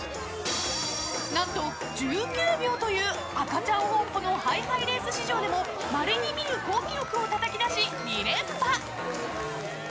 何と１９秒というアカチャンホンポのハイハイレース史上でもまれに見る高記録をたたき出し２連覇！